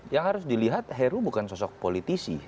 yang harus dilihat heru bukan sosok politisi